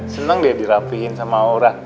senang dia dirapihin sama aura